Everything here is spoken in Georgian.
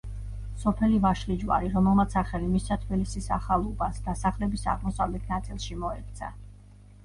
სოფელი ვაშლიჯვარი, რომელმაც სახელი მისცა თბილისის ახალ უბანს, დასახლების აღმოსავლეთ ნაწილში მოექცა.